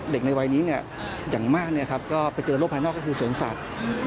เด็กในวัยนี้อย่างมากก็ไปเจอกับโลกภายนอกคือสวนสัตว์